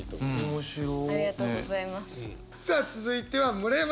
面白い。